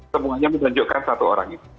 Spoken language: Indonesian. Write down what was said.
semuanya menunjukkan satu orang itu